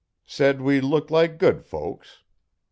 Said we looked like good folks.